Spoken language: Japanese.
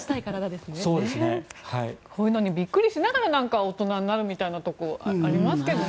そういうのにびっくりしながら大人になるみたいなところありますけどね。